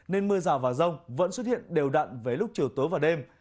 nên mưa rào và rông vẫn xuất hiện đều đặn với lúc chiều tối và đêm